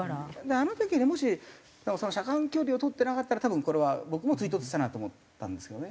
あの時にもし車間距離を取ってなかったら多分これは僕も追突したなと思ったんですけどね。